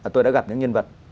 tôi đã gặp những nhân vật